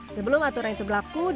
sebelum aturan itu berlaku